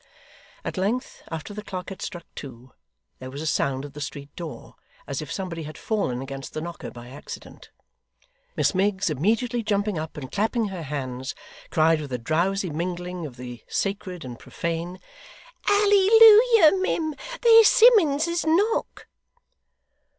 At length, after the clock had struck two, there was a sound at the street door, as if somebody had fallen against the knocker by accident. Miss Miggs immediately jumping up and clapping her hands, cried with a drowsy mingling of the sacred and profane, 'Ally Looyer, mim! there's Simmuns's knock!